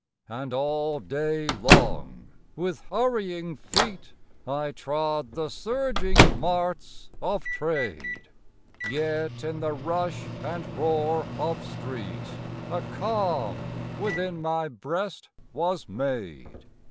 And all day long, with hurrying feet, I trod the surging marts of trade; Yet in the rush and roar of street A calm within my breast was made.